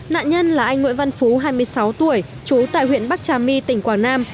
nạn nhân là anh nguyễn văn phú hai mươi sáu tuổi trú tại huyện bắc trà my tỉnh quảng nam